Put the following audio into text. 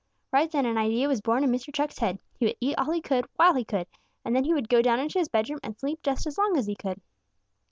Right then an idea was born in Mr. Chuck's head. He would eat all he could while he could, and then he would go down into his bedroom and sleep just as long as he could!